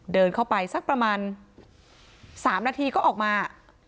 เดินเข้าไปสักประมาณ๓นาทีก็ออกมา